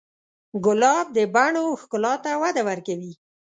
ګلاب د بڼو ښکلا ته وده ورکوي.